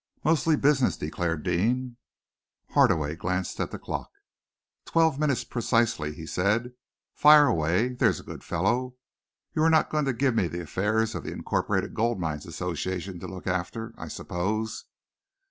"Mostly business," declared Deane. Hardaway glanced at the clock. "Twelve minutes, precisely," he said. "Fire away, there's a good fellow. You are not going to give me the affairs of the Incorporated Gold Mines Association to look after, I suppose?"